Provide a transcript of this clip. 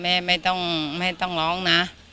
แม่ไม่ต้องร้องนะ